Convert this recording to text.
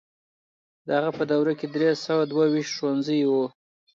د هغه په دوره کې درې سوه دوه ويشت ښوونځي وو.